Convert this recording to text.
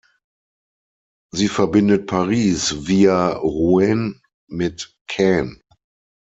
Sie verbindet Paris via Rouen mit Caen.